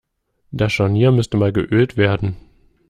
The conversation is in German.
Das Scharnier müsste mal geölt werden.